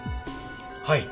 はい。